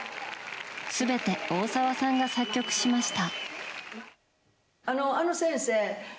全て大沢さんが作曲しました。